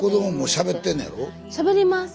しゃべります。